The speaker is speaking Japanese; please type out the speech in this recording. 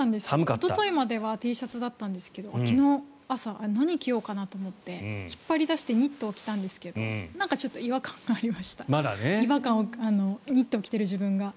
おとといまではＴシャツだったんですが昨日、朝何着ようかなと思って引っ張り出してニットを着たんですがなんかちょっと違和感がありましたニットを着ている自分が。